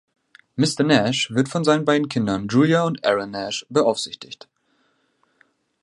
Mr. Nash wird von seinen beiden Kindern, Julia und Aaron Nash, beaufsichtigt.